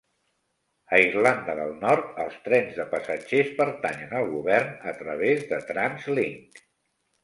A Irlanda del Nord, els trens de passatgers pertanyen al govern a través de Translink.